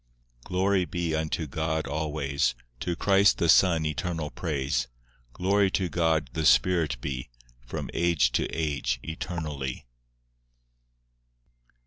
V Glory be unto God always, To Christ the Son eternal praise; Glory to God the Spirit be, From age to age eternally.